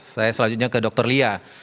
saya selanjutnya ke dr lia